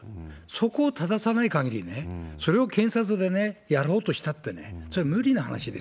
そこをたださない限り、それを検察でね、やろうとしたってね、そうですね。